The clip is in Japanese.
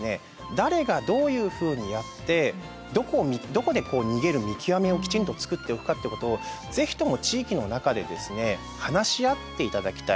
誰がどういうふうにやってどこで逃げる見極めをきちんと作っておくかっていうことをぜひとも地域の中でですね話し合って頂きたい。